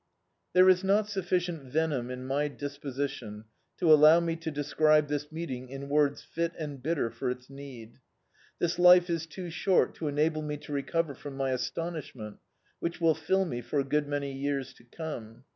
There is not sufiicient venom in my disposi tion to allow me to describe this meeting in words fit and bitter for its need. This life is too short to enable me to recover from my astonishment, which will fill me for a good many years to come.